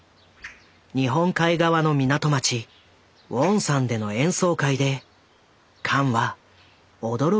日本海側の港町ウォンサンでの演奏会でカンは驚くべき光景を目にする。